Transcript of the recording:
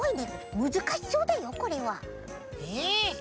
むずかしそうだよこれは。え！